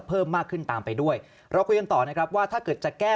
เพิ่มมากขึ้นตามไปด้วยเราคุยกันต่อนะครับว่าถ้าเกิดจะแก้